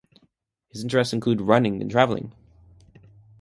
His interests include running and travelling